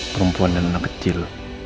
perempuan dan anak kecil